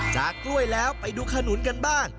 กล้วยแล้วไปดูขนุนกันบ้าง